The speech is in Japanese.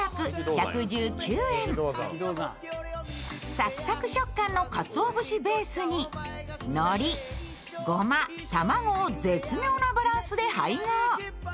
サクサク食感のかつお節ベースに、のり、ごま、卵を絶妙なバランスで配合。